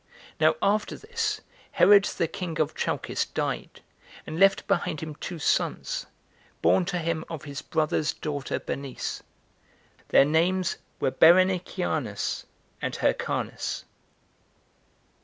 Now after this, Herod the king of Chalcis died, and left behind him two sons, born to him of his brother's daughter Bernice; their names were Bernie Janus and Hyrcanus.